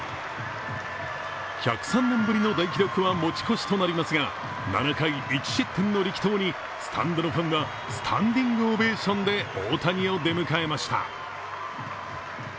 １０３年ぶりの大記録は持ち越しとなりますが７回１失点の力投にスタンドのファンはスタンディングオベーションで大谷を出迎えました。